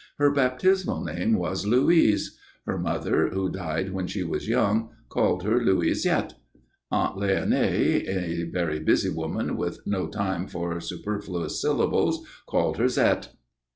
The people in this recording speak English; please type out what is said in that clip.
Her baptismal name was Louise. Her mother, who died when she was young, called her Louisette. Aunt Léonie, a very busy woman, with no time for superfluous syllables, called her Zette.